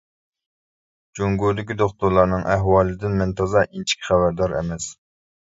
جۇڭگودىكى دوختۇرلارنىڭ ئەھۋالىدىن مەن تازا ئىنچىكە خەۋەردار ئەمەس.